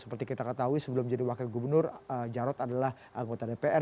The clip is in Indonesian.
seperti kita ketahui sebelum menjadi wakil gubernur jarod adalah anggota dpr